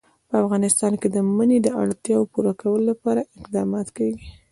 په افغانستان کې د منی د اړتیاوو پوره کولو لپاره اقدامات کېږي.